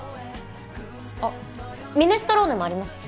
あっミネストローネもありますよ